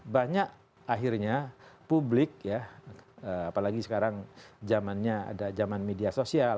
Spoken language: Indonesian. banyak akhirnya publik ya apalagi sekarang zamannya ada zaman media sosial